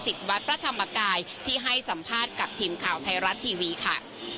วัดพระธรรมกายที่ให้สัมภาษณ์กับทีมข่าวไทยรัฐทีวีค่ะ